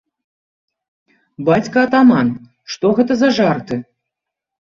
Бацька атаман, што гэта за жарты?!